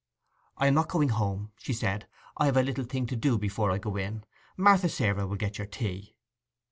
'I am not going home,' she said. 'I have a little thing to do before I go in. Martha Sarah will get your tea.